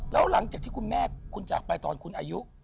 แล้วหลังจากที่คุณแม่คุณจากไปตอนคุณอายุ